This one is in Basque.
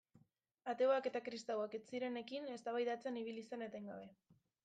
Ateoak eta kristauak ez zirenekin eztabaidatzen ibili zen etengabe.